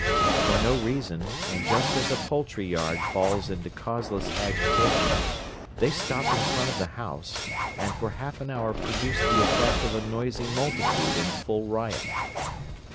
For no reason, and just as a poultry yard falls into causeless agitation, they stopped in front of the house, and for half an hour produced the effect of a noisy multitude in full riot.